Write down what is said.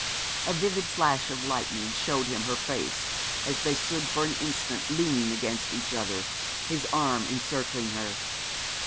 A vivid flash of lightning showed him her face as they stood for an instant leaning against each other, his arm encircling her.